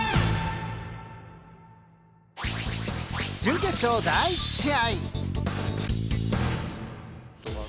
準決勝第１試合。